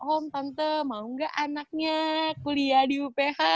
om tante mau gak anaknya kuliah di uph